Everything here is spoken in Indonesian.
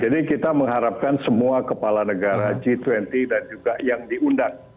kita mengharapkan semua kepala negara g dua puluh dan juga yang diundang